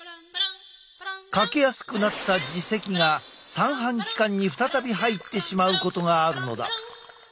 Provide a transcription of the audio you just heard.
欠けやすくなった耳石が三半規管に再び入ってしまうことがあるのだ。